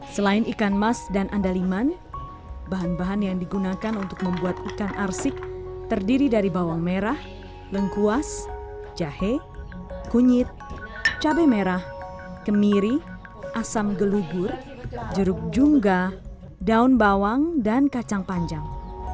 selain ikan mas dan andaliman bahan bahan yang digunakan untuk membuat ikan arsik terdiri dari bawang merah lengkuas jahe kunyit cabai merah kemiri asam gelugur jeruk jungga daun bawang dan kacang panjang